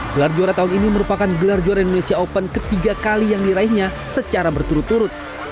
gelar juara tahun ini merupakan gelar juara indonesia open ketiga kali yang diraihnya secara berturut turut